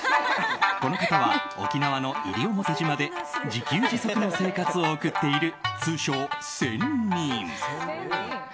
この方は沖縄の西表島で自給自足の生活を送っている通称、仙人。